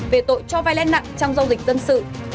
về tội cho vai lẽ nặng trong giao dịch dân sự